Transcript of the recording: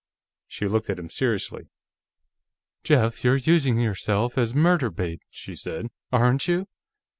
She looked at him seriously. "Jeff, you're using yourself as murder bait," she said. "Aren't you?"